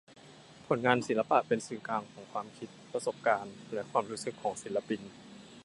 ผลงานศิลปะเป็นสื่อกลางของ ความคิด ประสบการณ์ และ ความรู้สึกของศิลปิน